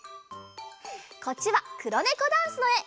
こっちは「黒ネコダンス」のえ！